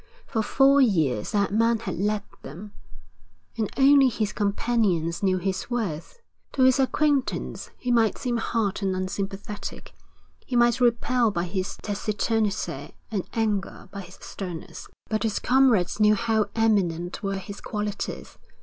For four years that man had led them, and only his companions knew his worth. To his acquaintance he might seem hard and unsympathetic, he might repel by his taciturnity and anger by his sternness; but his comrades knew how eminent were his qualities.